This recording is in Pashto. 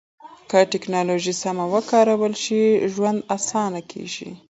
که ټکنالوژي سمه وکارول شي، ژوند اسانه کېږي.